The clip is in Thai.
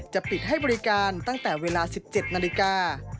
ปิดให้บริการตั้งแต่เวลา๑๗นาฬิกา